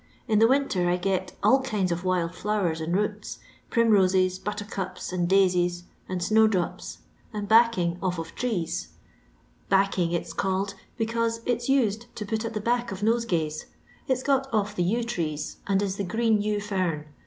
In the winter I get all kinds of wild flowers and roots, primroses, 'butter cups' and daisies, and snow drops, and 'backing' off of trees; (' backing' it's called, because it 's used to put at the back of nosegays, it 's got off the yew trees, and is the green yew fern.